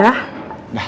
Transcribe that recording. ya eh bentar